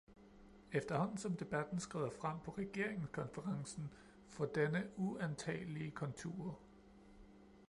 Efterhånden som debatten skrider frem på regeringskonferencen, får denne uantagelige konturer.